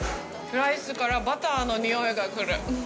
ライスからバターの匂いが来る。